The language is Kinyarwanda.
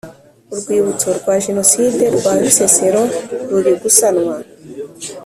Urwibutso rwa Jenoside rwa Bisesero rurigusanwa.